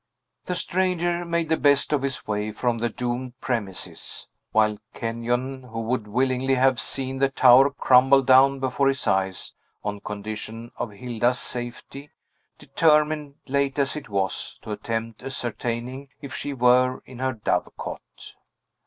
The stranger made the best of his way from the doomed premises; while Kenyon who would willingly have seen the tower crumble down before his eyes, on condition of Hilda's safety determined, late as it was, to attempt ascertaining if she were in her dove cote.